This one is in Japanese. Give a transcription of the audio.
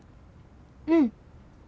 うん。